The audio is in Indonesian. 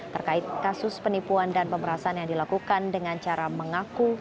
terkait kasus penipuan dan pemerasan yang dilakukan dengan cara mengaku